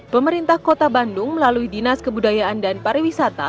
pemerintah kota bandung melalui dinas kebudayaan dan pariwisata